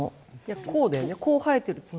こうだよねこう生えてる角。